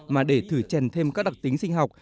mà để thử chèn thêm các đặc tính sinh học